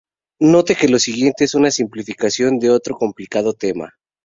Note que lo siguiente es una simplificación de otro complicado tema.